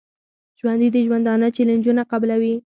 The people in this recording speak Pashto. ژوندي د ژوندانه چیلنجونه قبلوي